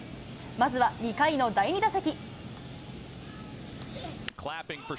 まずは２回の第２打席。